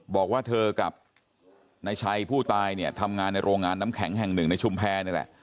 บอกว่าเธอกับไน้ชายผู้ตายทำงานในโรงงานน้ำแข็งแห่งหนึ่งในชุมแพนฮะ